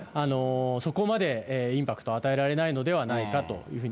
そこまでインパクト与えられないのではないかというふうに。